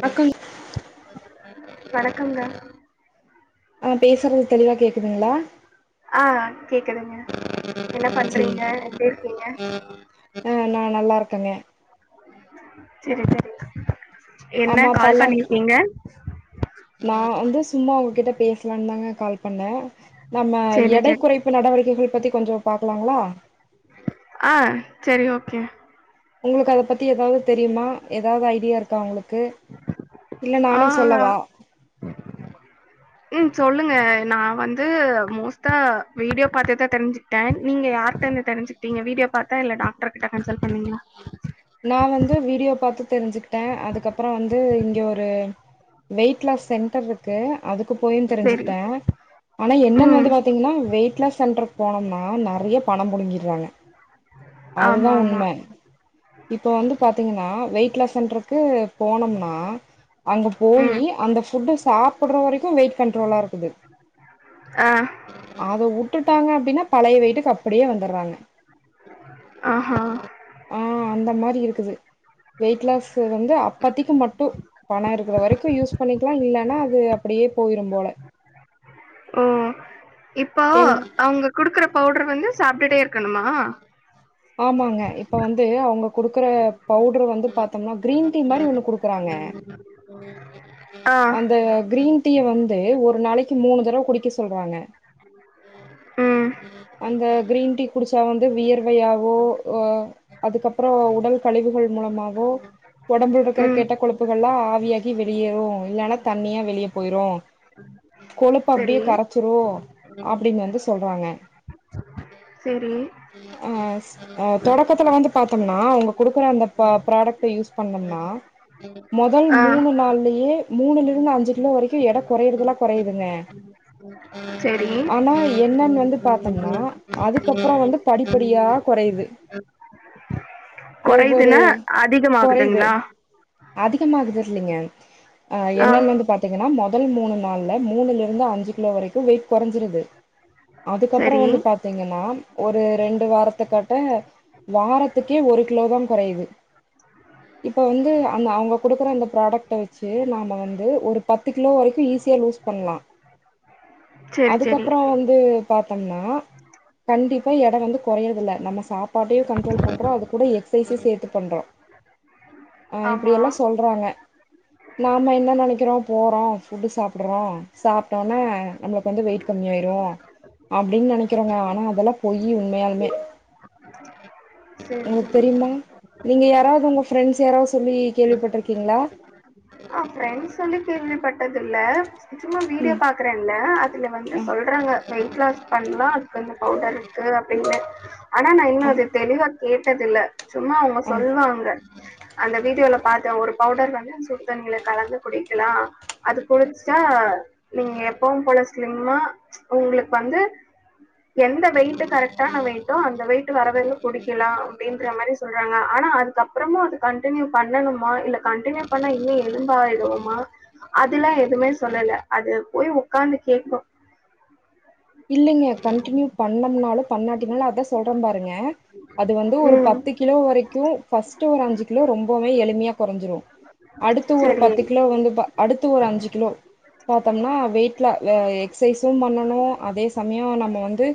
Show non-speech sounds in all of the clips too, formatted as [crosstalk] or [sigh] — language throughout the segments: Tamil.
ம் வணக்கம் வணக்கங்க அவ பேசறது தெளிவா கேக் குதுங்களா ஆ கேக்குதுங்க என்ன பண்றீங்க எப்டி இருக்கீங்க [inaudible] ம் நா நல்லா இருக்கங்க சரி சரி அம்மா அப்பாலான் நா வந்து சும்மா உங்ககிட்ட பேசலான் தாங்க கால் பண்ண நம்ம செரி எடை செரி கெறைப்பு நடவடிக்கைகள் பத்தி கொஞ்சோ பாக்கலாங்களா அ சரி ஓகே உங்களுக்கு அத பத்தி ஏதாவ்து தெரியுமா ஏதாவ்து ஐடியாருக்கா உங்களுக் கு இல்ல ஆ நானே சொல்லவா ம் சொல்லுங்க நா வந்து மோஸ்ட்டா வீடியோ பாத்துதான் தெரிஞ்சு கிட்டேன் நீங்க யார்ட்ட இருந்து தெரிஞ்சுக்கிட்டிங்க வீடியோ பாத்தா இல்ல டாக்டர் கிட்ட கன்சல் பண்ணிங்ளா நா வந்து வீடியோ பாத்து தெரிஞ்சுக்கிட்டேன் அதுக்கப்பறம் வந்து இங்கே ஒரு வெயிட் லாஸ் சென்டருக்கு அதுக்கு போயும் தெரிஞ்சுக் செரி கிட்டேன் ஆனா என்னன்னு ம் வந்து பாத்தீங்கன்னா வெயிட் ட்லாஸ் சென்டருக்கு போனோம்னா நறைய பணம் புடுங்கிட்றாங்க ஆமா அதுதான் ஆமா உண்ம இப்ப வந்து பாத்தீங்கன்னா வெயிட் லாஸ் சென்ட்ருக்கு போனோம்னா அங்க ம் போயி அந்த ஃபுட்டு சாப்புட்ற வரைக்கும் வெயிட் கண்ட்ரோலா இருக்குது அ அத உட்டுட்டாங்க அப்டின்னா பழைய வெயிட்டுக்கு அப்டியே வந்துட்றாங்க ஆஹா ஆஅந்த மாரி இருக்குது வெயிட் லாஸ் வந்து அப்பத்திக்கு மட்டும் பணம் இருக்கிற வரைக்கும் யூஸ் பண்ணிக்கலா இல்லன்னா அது அப்படியே போயிரும் போல ஓ இப்போ எங் அவுங்க குடுக்குற பவுடர் வந்து சாப்டுட்டே இருக்கணுமா ஆமாங்க இப்ப வந்து அவுங்க குடுக்குற பவுடரு வந்து பாத்தோம்னா கிரீன் டீ மாரி ஒண்ணு குடுக்குறாங்க ஆ அந்த கிரீன் டீய வந்து ஒரு நாளைக்கு மூணு தடவ குடிக்க சொல்றாங்க ம் அந்த கிரீன் டீ குடிச்சா வந்து வியர்வையாவோ அ அதுக்கப்புறம் உடல் கழிவுகள் மூலமாவோ ஒடம்புல்ருக்கிற ம் கெட்ட கொழுப்புகள்லா ஆவியாகி வெளியேறு இல்லன்னா தண்ணியா வெளியே போயிரும் கொழுப்பு அப்டியே செரி கரச்சிரு அப்டின்னு வந்து சொல்றாங்க செரி அ அ தொடக்கத்துல வந்து பாத்தோம்னா அவுங்க குடுக்குற அந்தப் ப ப்ராடக்ட யூஸ் பண்ணோம்னா மொதல் ஆ மூணு நாள்லயே மூணுல இருந்து அஞ்சு கிலோ வரைக்கும் எட குறையறதுல்லா குறையுதுங்க செரி தம்ன்னா அதுக்கப்புறம் வந்து படிப் படியா கொறையுது ஒவ்வொரு கொறையுதுன்னா கொறையுது அதிகமாகுதுங்களா அதிகமாகுதர்லிங்க அ ஆ என்னன்னு வந்து பாத்தீங்கன்னா மொத் முதல் மூணு நாள்ல மூணுலிருந்து அஞ்சு கிலோ வரைக்கும் வெயிட் கொறஞ்சிருது அதுக்கப் ப்புறம் செரி வந்து பாத்தீங்கன்னா ஒரு ரெண்டு வாரத்துக்கட்ட வாரத்துக்கே ஒரு கிலோதான் கொறையுது இப்ப வந்து அந்த அவுங்க குடுத் ப்புற அந்த ப்ராடக்ட வித் சேரி நாம வந்து ஒரு பத்து கிலோ வரைக்கு ஈசியா லூஸ் பண்ணலா செரி செரி அதுக்கப்பறோ வந்து பாத் குனு கண் டிப்பா எட வந்து கொறையிறதில்ல நம்ம ஸ் சாப்பாட்டையு கண்ட்ரோல் பண்றோ அது கூட எக்ஸசைஸியு சேத்து பண்றோ அ ஆமா இப்டியெல்லா சொல்றாங்க நாம என்ன நெனைக்கிறோ போறோ ஃபுட்டு் சாப்புட்றோ சாப்ட்டோன்னே நம்மளுக்கு வந்து வெயிட் கம்மியாயிரு அப்டின்னு நெனைக்கிறோங்க ஆனா அதெல்லா பொய்யி உண்மையாலுமே சேரி உங்களுக்கு சேரி தெரியுமா நீங்க யாராவது உங்க ஃப்ரெண்ட்ஸ் யாராவது சொல்லி கேள்விப்பட்டிருக்கீங்களா ஃப்ரெண்ட்ஸுன்னு கேள்விப்பட்டதில்ல சும்மா வீடியோ ம் பாக்குறல்ல அதுல வந்து ஆ சொல்றாங்க வெயிட் லாஸ் பண்ணலா கொஞ்சோ பவுடர் இருக்கு இல்ல ஆனா நா ஆ இன்னு அத தெளிவா கேட்டதில்ல சும்மா அவங்க ஆ சொல்வாங்க அந்த வீடியோல பாத்தே ஒரு பவுடர் வந்து அந்த சுட் தண்ணில கலந்து குடிக்கலா அது குடிச்சிட்டா நீங்க எப்பவு போல ஸ்லிமா ஒங்களுக் வந்து எந்த வெயிட்டு கரெக்ட்டான வெயிட்டோ அந்த வெயிட்டு வரவரையிலு குடிக்கலா அப்டின்ற மாரி சொல்றாங்க ஆனா அதுக்கப்றமு அது கண்டின்யு பண்ணனுமா இல்ல கண்டின்யு பண்ணா இ எலும்பாயிடுவோமா அதுல்லா எதுமே சொல்லல அது போய் உக்காந்து கேக்கு இல்லைங்க கண்டின்யு பண்ணம்னாலு பண்ணாட்டினாலு அதா சொல்ற பாருங்க அது வந்து ஒரு ம் பத்து கிலோ வரைக்கு ஃபஸ்ட்டு ஒரு அஞ்சு கிலோ ரொம்பவே எளிமையா கொறைஞ்சிரு அடுத் த்து ஒரு செரி பத்து கிலோ வந்துதா அடுத்து ஒரு அஞ்சு கிலோ பாத்தம்னா வெயிட்ல வெ எக்சைஸு பண்ணனு அதே சமய நம்ம வந்து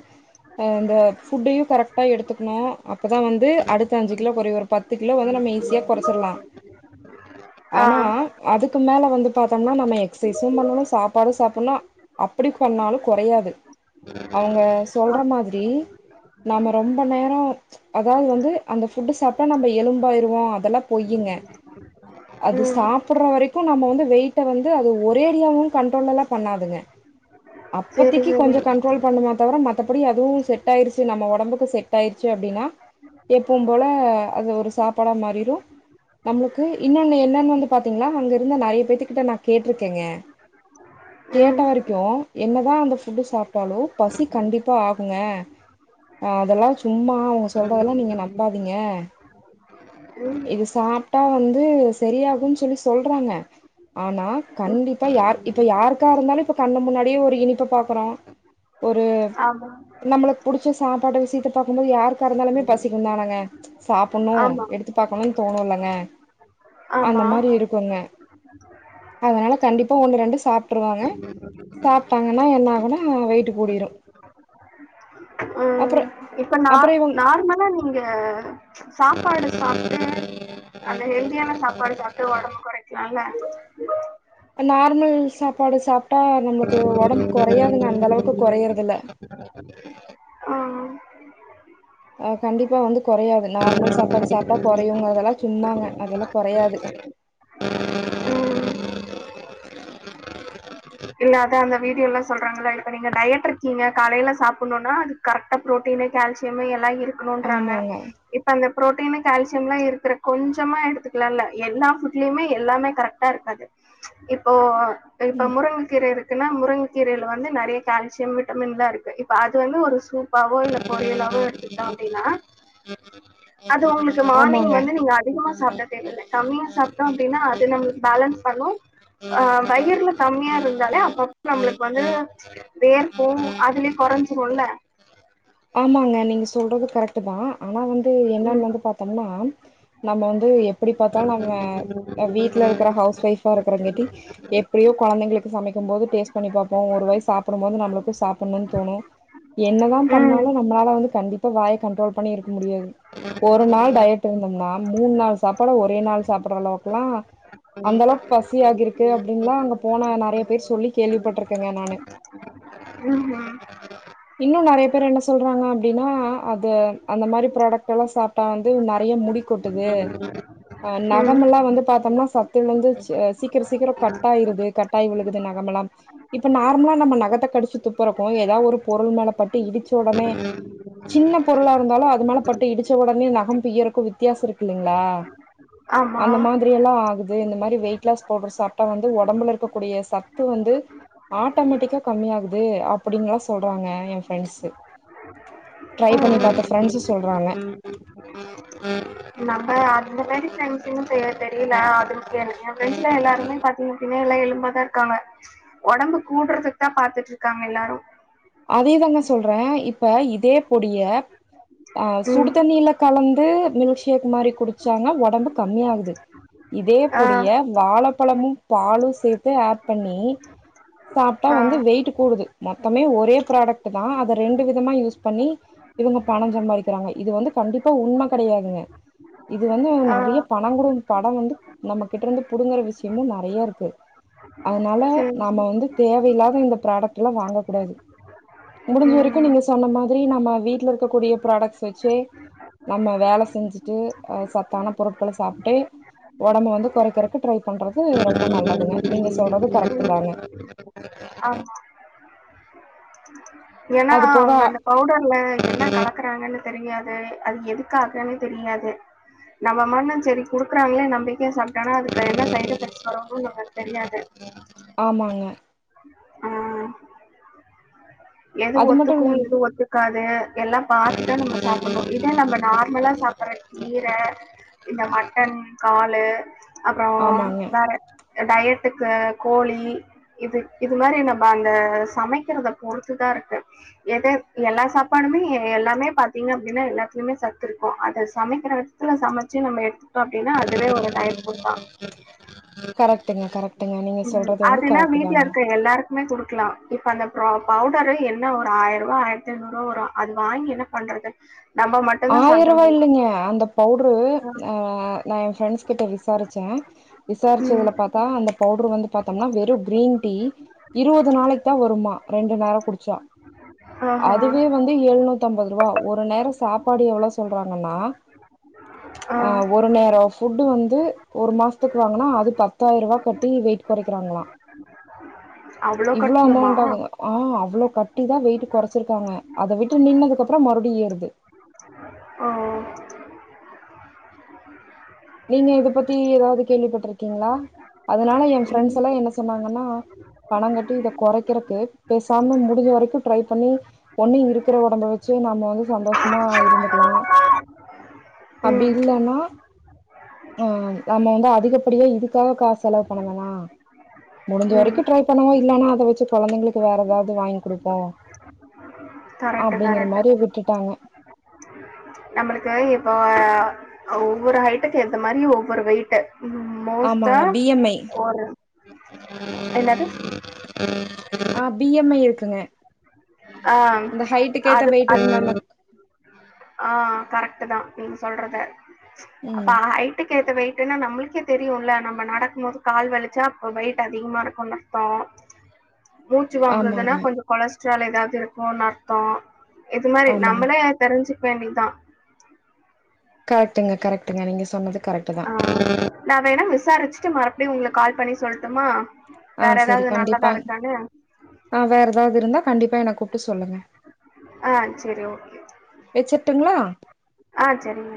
அ இந்த ஃபுட்டயு கரெக்ட்டா எடுத்துக்கணு அப்பதா வந்து அடுத்த அஞ்சு கிலோ கொறையு ஒரு பத்து கிலோ வந்து நம்ம ஈஸியா கொறச்சிர்லா ஆ ஆனா அதுக்கு மே ல வந்துட்டா பா ஆனா நம்ம எக்ஸ்சைஸு பண்ணனு சாப்பாடு சாப்புட்ணு அப்படி பண்ணாலு கொறையாது அவங்க சொல்ற ஆ மாதிரி நாம ரொம்ப நேர அதாவது வந்து அந்த ஃபுட்டு் சாப்ட்டா நம்ப எலும்பாயிருவோ அதெல்லா பொய்யிங்க அது ம் சாப்பிட்ற வரைக் கு நம்ம வந்து வெயிட்ட வந்து அது ஒரேடியாவு கண்ட்ரோல்லெல்லா பண்ணாதுங்க செரி அப்பதிக்கி செரி கொஞ்ச கண்ட்ரோல் பண்ணுமா தவர மத் மற்றபடி அதுவும் செட் ஆயிருச்சு நம்ம உடம்புக்கு செட் ஆயிருச்சு அப்படின்னா எப்புவும் போல அது ஒரு சாப் பட மாறிரும் நம்மளுக்கு இன்னொன்னு என்னன்னு வந்து பாத்தீங்களா அங்க இருந்த நிறைய பேத்துக்கிட்ட நான் கேட்டிருக்கேங்க கேட்ட ம் வரைக்கும் என்னதான் அந்த இப்ப சாப் ட்டாலோ பசி கண்டிப்பாக ஆகுங்க ஆன் அதெல்லாம் சும்மா அவுங்க சொல்றதெல்லாம் நீங்க நம்பாதீங்க ம் இது சாப்ட்டா வந்து செரியாகும்ன்னு சொல்லி சொல்றாங்க ஆனா கண்டிப்பா யார் இப்ப யாருக்கா இருந்தாலும் கண்னு முன்னாடிய ஒரு இனிப்ப பாக்கு அப்பறம் ஒரு ஆமா நம்மளுக்கு புடிச்ச சாப்ப பாட்ட விஷயத்த பாக்கும்போது யாருக்கா இருந்தாலுமே பசிக்கும் தானங்க சாப்ன்ணும் ஆமா எடுத்து பாக்கணும்னு தோணுலங்க அந்த ஆமா மாதிரி இருக்குங்க அதனால கண்டிப்பா ஒண்ணு ரெண்டு சாப்ட்டுருவாங்க சாப்ட்டாங்கன்னா என்னாகும் ல்லாம் வெயிட்டு கூடிரும் ம் அப்றம் இப்ப நா நார்மலா நீங்க சாப்பாடு சாப்ட்டு அந்த ஹெல்தியான சாப்பாடு சாப்ட்டு உடம்பு குறைக்கலாம்ல நார்மல் சாப்பாடு சாப்பிட்டு ஆ நம்பளுக்கு உடம்பு குறையாதுங்க அந்த அளவுக்கு கொறயறதுல்ல ம் ஆன் கண்டிப்பா வந்து கொறையாது நார்மல் சாப்பாடு சாப்ட்டா கொறையு ங்கறதெல்லாம் சும்மாங்க அதெல்லாம் கொறையாது ம் இல்ல அது அந்த வீடியோல்லாம் சொல்றாங்கள இப்ப நீங்க டயட் இருக்கீங்க காலையில சாப்புணுனா அது கரெக்டா ப்ரோட்டீனு கால்சியம் எல்லாம் இருக்கு இருக்கணும்ன்றாங்க ஆமாங்க இப்ப அந்த ப்ரோட்டீனு கால்சியம்லாம் இருக்கிற கொஞ்சமா எடுத்துக்கலால எல்லா ஃபுட்லயுமே எல்லாமே கரெக்டா இருக்காது இப்போ இப்ப ம் முருங்க இருக்குன்னா முருங்க கீரயில வந்து நெறய கால்சியம் விட்டமின் தான் இருக்கு இப்ப அது வந்து ஒரு சூப்பாவோ இல்ல பொரியலாவோ எடுத்துகிட்டோம் அப்டின்னா அது உங்களுக்கு மார்னிங் ஆமாங்க வந்து நீங்க அதிகமா சாப்ட கம்மியா சாப்ட்டோம் அப்டின்னா அது நம்மளுக்கு பேலன்ஸ் பண்னும் ஆன் வயிருல கம்மியா இருந்த அப்ப அப்ப நம்மளுக்கு வந்து வேர்க்கும் அதுலே கொறஞ்சிரும்ல ஆமாங்க நீங்க சொல் சொல்றது கரெக்டு தான் ஆனா வந்து வந்து என்னன்னு வந்து பாத்தோம்னா நம்ம வந்து எப்ப எப்டி பார்த்தாலும் நம்ம வீட்ல இருக்ற ஹவுஸ் ஒயிஃபா இருக்கிறங்கட்டி எப்டியோ கொழந்தங்களுக்கு சமக்கும் போது டேஸ்ட் பண்ணி பாப்போம் ஒரு வாய் சாப்டும் போது நம்பளுக்கும் சாப்புணும்னு தோணும் என்னதான் என்ன ம் பண்ணாலும் நம்மளால வந்து கண்டிப்பா வாயை கண்ட்ரோல் பண்ணி இருக்க முடியாது ஒரு நாள் டயட் இருந்தோம்னா மூணு நாள் சாப்பாட ஒரே நாள் சாப்பிடுற அளவுக்கு எல்லாம் அந்த அளவுக்கு பசி ஆகிருக்கு அப்படின்னுல்லாம் அங்க போன நெறைய பேர் சொல்லி கேள்விப்பட்டிருக்கேங்க நானு ம்ஹும் இன்னும் நெறய பேர் என்ன சொல்றாங்க அப்டின்னா அது அந்த மாதிரி ப்ராடக்ட் எல்லாம் சாப்ட்டா வந்து நெறய முடி கொட்டுது ஆன் ம் நகமெல்லாம் வந்து பாத்தோம்னா சத்திலந்து வந்து சீக்கிரம் சீக்கிரம் கட்டாயிருது கட்டாயி விழுகுது நகமெல்லாம் இப்ப நார்மலா நம்ம நகத்த கடிச்சு துப்புறப்போ ஏதாவது ஒரு பொருள் மேலப் பட்டு ட்டு இடிச்ச உடனே சின்ன பொருளா இருந்தாலும் அது மேல பட்டு இடிச்ச உடனே நகம் பிய்யரபோது வித்தியாசம் இருக்கு இல்லலைங்களா ஆமா அந்த மாதிரி எல்லாம் ஆகுது இந்த மாதிரி வெயிட லஸ் பவுடர் சாப்ட்டா வந்து உடம்புல இருக்கக்கூடிய சத்து வந்து ஆட்டோமேட்டிக்கா கம்மிய ஆகுது அப்படின் சொ சொல்றாங்க என் பிரண்ட்ஸ் ட்ரை பண்ணி ம் பார்த்த பிரண்ட்ஸ் சொல்றாங்க நம்ம அ இந்த மாதிரி சஸ்ன்னு தெரியல அது என்ண்டல எல்லாருமே பாத்தீங்க பின்னா எல்லாம் எலும்பாாதான் இருக்காங்க உடம்பு கூடுறதுக்கு தான் பாத்துட்டு இருக்காங்க எல்லாரும் [unintelligible] அதேதாங்க சொல்றேன் இப்ப இப்ப இதே பொடிய அஹ் ம் சுடுதண்ணீல கலந்து மில்க் ஷேக் மாதிரி குடிச்சாங்க உடம்பு கம்மிய ஆகுுது இதே ஆ பொடிய வாழைப்பழமும் பாலும் சேர்த்து ஆட் பண்ணி சாப்பிட்டா ஆ வந்து வெயிட் கூடுது மொத்தமே ஒரு அதே ப்ரோட்டக்ட் தான் அதை ரெண்டு விதமா யூஸ் பண்ணி இவங்க பணம் சம்பாதிக்கிறாங்க இது வந்து கண்டிப்பா உண்மை கிடையாதுங்க இது வந்து நிறைய ஆ பணம்கூடும் படம் வந்து நம்ம கிட்ட இருந்து புிடுங்கற விஷயமும் நிறைய இருக்கு அதனால சேரி நாம வந்து தேவையில்லாத இந்த ப்ரோட்டக்ட் எல்லாம் வாங்கக் கூடாது முடிஞ்ச வரைக்கும் ம் நீங்க சொன்ன மாதிரி நம்ம வீட்டுல இருக்கக்கூடிய ப்ரோட்டக்ட் வச் ஜே நம்ம வேலை செஞ்சுட்டு அஹ் சத்தான பொருட்களை சாப்பிட்டு உடம்பு வந்து குறைக்கிறதுக்கு ட்ரை பண்றது ரொம்ப நல்லதுங்க நீங்க சொல்றது கரெக்ட் தாங்க ஆமா ஏன்னா அது போக அவங்க அந்த பவுடர்ல என்ன கலக்குறாங்கன்னு தெரியாது அது எதுக்காகந்நே தெரியாது நம்ம மட்டும் சரி குடுக்குறாங்களே நம்பிக்கையா சாப்பிட்டோனா அது எதை [unintelligible] வச்சுக்கறோனு நமக்கு தெரியாது ஆமாங்க ம் எது அது மட்டு ஒத்துக்கும் இல்லாம எதுவும் ஒத்துக்காது எல்லாம் பார்த்துதா நம்ம சாப்பிடணும் இத நம்ம நார்மலா சாப்பிிடற கீரை இந்த மட்டன் காலு அப்பறம் ஆமாங்க வேற டயட்டுக்கு கோழி இது இது மாதிரி நம்ம அந்த சமைக்கிற பொறுத் சத்துதான் இருக்கு எத எல்லா சாப்பாடுமே எல்லாமே பார்த்தீங்க அப்படின்னா எல்லாத்துலையுமே சத்து இருக்கும் அதை சமைக்கிற விதத்துல சமைச்சு நம்ம எடுத்துக்கிட்டோம் அப்படின்னா அதுவே ஒரு டைம் கொடுப்பாங்க கரெக்ட்டுங்க கரெக்ட்டுங்க நீங்க உம் சொல்றது வந்து அதுனா கரெக்ட் வீட்டுல தாங்க இருக்க எல்லாருக்கும் கொடுக்கலாம் இப்ப அந்த ப்ரஃபி பவுடரு என்ன ஒரு ஆயிரூபா ஆயிரத்திஐநூறு ரூபா வரும் அது வாங்கி என்ன பண்றது நம்ம மட்டும் தான் ஆயிரம் சாப்பிட ரூபா முடியும். இல்லைங்க அந்த பவுடரு அஹ் நான் என் ஃபிரண்ட்ஸ் கிட்ட விசாரிச்சேன் ம். விசாரிச்சதுல பார்த்தா அந்த பவுடரு வந்து பா்த்தோம்னா வெறும் கிரீன் டீ இருபது நாளைக்கு தான் வருமா ரெண்டு நேரம் குடிச்சா ஆஹா. அதுவே வந்து எழுநூத்தி ஐம்பது ரூபா ஒரு நேரம் சாப்பிட்டு அப்படி எவ்ளவு சொல்றாங்கன்னா ஆ. ஒரு நேரம் போவ்ட் வந்து ஒரு மாசத்துக்கு வாங்கனா அது பத்தாயிரம் ரூபா கட்டி வெயிட் குறைக்கிறாங்கள அவ்ளோ இவ்ளோ கட்டணுமா? அமௌண்ட் ஆகுங்க ஆஹ் அவ்வளோ கட்டிதான் வெயிிட் குறைச்சிருக்காங்க அதை விட்டு நின்னதுக்குப்புறம் மறுபடியும் வெயிட் ஏறுது ஓ நீங்க இத பத்தி ஏதாவது கேள்விப்பட்டிருக்கீங்களா அதனால என் பிரெண்ட்ஸ் ம். எல்லாம் என்ன சொன்னாங்கன்னா பணம் கட்டி இத குறைக்கறக்கு பேச பண்ணி முடிஞ்ச வரைக்கும் ட்ரை பண்ணி ஒண்ணும் இருக்கிற உடம்பை வச்சே நம்ம வந்து சந்தோஷம் சும்மா இருந்துக்கலாம் அப்படி ம். இல்லைன்னா ஆஹ் நம்ம வந்து அதிகப்படியா இதுக்காக காசு செலவு பண்ண வேணாம் முடிஞ்ச ம். வரைக்கும் ட்ரை பண்ணவோம் இல்லனா வச்சு குழந்தைங்களுக்கு வேற ஏதாது வாங்கி குடுப்போம் கரெக்ட்டு, அப்டிங்கற கரெக்ட்டு. மாரியே விட்டுட்டாங்க நம்மளுக்கு இப்போ ஆஹ ஒவ்வொரு ஹைட்டுக்கு ஏத்த மாரி ஒவ்வொரு வெயிட் மோஸ்தா ஆமாங்க பி எம் ஐ ஓ ரு என்னது ஆங் பி எம் மை இருக்கு க்குங்க ஆங் அது மட் ஆங் கரட் தான் நீங்க சொல்றத அப்ப ம் ஹ ஹைட்டு ஏத்த வெயிட்டுனு நம்ளுக்கே தெரியும்ல நம்ம நடக்கும் போது கால் வலிச்சா அப்ப வெயிட் அதிகமா இருக்குனு அர்த்தோம் மூச்சு வாங்கறதுன்னா ஆமாங்க கொஞ்சம் கொலஸ் சலை த திருப்ப நர்த்தம் இது மாரி ஆமாங்க நம்மலெ தெரிஞ்சு வேண்டிதான் கரெட்டுங்க கரெக்ட் ஆங் நான் வேணா விசாரிச்சுட்டு மறன் அப்படி உங்களுக்கு கால் பண்ணி சொல்ட்டுமா வேற ஆங் செரி ஏதாவது கண்டிப்பா நல்லதா இருக்கான்னு ஆங் வேற ஏதாவது இருந்தா கண்டிப்பா என்ன கூப்டு ஆங் செரி ஓகே ட்டுங்களா ஆங் சரிங்க